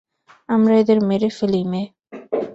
আমরা এদের মেরে ফেলি, মেয়ে।